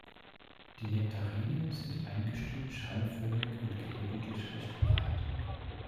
Die Nektarien sind eingestülpt-schalenförmig und gelegentlich recht breit.